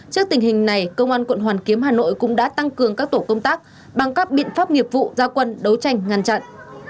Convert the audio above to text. trước tình hình này công an quận hoàn kiếm hà nội cũng đã tăng cường các tổ công tác bằng các biện pháp nghiệp vụ gia quân đấu tranh ngăn chặn